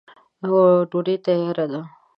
ډوډی تیاره ده.